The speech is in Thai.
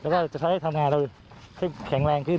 ก็จะใช้ทำงานแต่แข็งแรงขึ้น